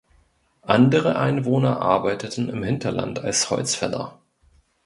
Andere Einwohner arbeiteten im Hinterland als Holzfäller.